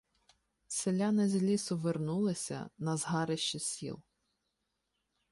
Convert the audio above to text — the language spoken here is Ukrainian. Селяни з лісу вернулися на згарища сіл.